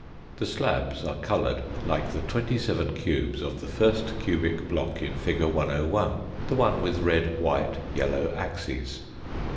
The slabs are coloured like the twenty seven cubes of the first cubic block in fig. 101, the one with red, white, yellow axes.